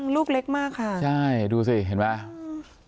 ลูกเล็กมากค่ะใช่ดูสิเห็นไหม